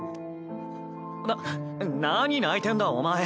な何泣いてんだお前！